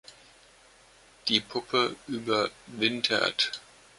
Die Puppe überwintert.